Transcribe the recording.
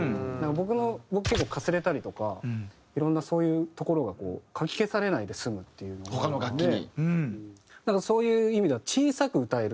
僕の僕結構かすれたりとかいろんなそういうところがこうかき消されないで済むっていうのがあるのでだからそういう意味では。